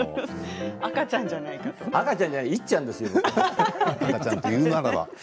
赤ちゃんじゃなくていっちゃんですよ。